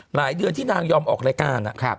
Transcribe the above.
หลายเดือนที่นางยอมออกรายการ